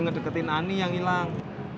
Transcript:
ngedeketin ane yang hilang